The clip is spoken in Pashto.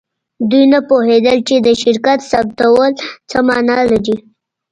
دوی نه پوهیدل چې د شرکت ثبتول څه معنی لري